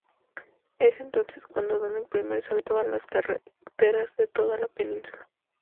Es entonces cuando dan el primer salto a las carreteras de toda la península.